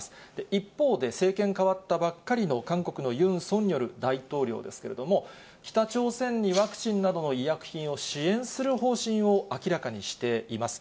一方で、政権代わったばっかりの韓国のユン・ソンニョル大統領ですけれども、北朝鮮にワクチンなどの医薬品を支援する方針を明らかにしています。